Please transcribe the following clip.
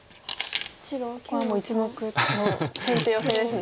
ここはもう１目の先手ヨセですね。